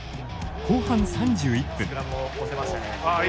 後半３１分。